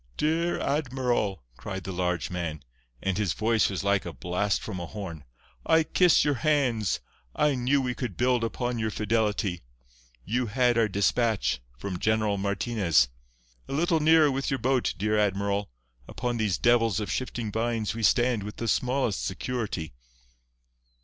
"Dear admiral," cried the large man, and his voice was like a blast from a horn, "I kiss your hands. I knew we could build upon your fidelity. You had our despatch—from General Martinez. A little nearer with your boat, dear Admiral. Upon these devils of shifting vines we stand with the smallest security."